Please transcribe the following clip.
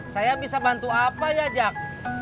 saya bisa bantu apa ya jak